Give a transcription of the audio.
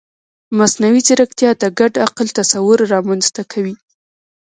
مصنوعي ځیرکتیا د ګډ عقل تصور رامنځته کوي.